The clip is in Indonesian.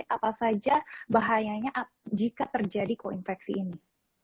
apa saja bahayanya jika terjadi koinfeksi ini